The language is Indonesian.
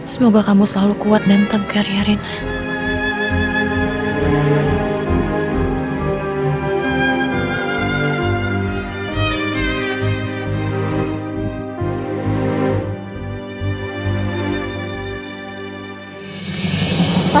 semoga kamu selalu kuat dan tegar ya rena